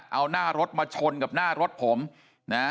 เอาหน้ารถมาชนกับหน้ารถผมนะฮะ